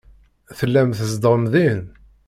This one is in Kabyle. Tellam tzedɣem din.